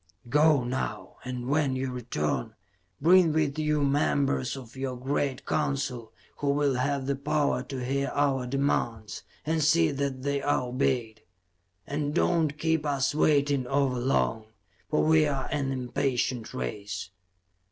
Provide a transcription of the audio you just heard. "Go, now and when you return, bring with you members of your great Council who will have the power to hear our demands, and see that they are obeyed. And do not keep us waiting over long, for we are an impatient race."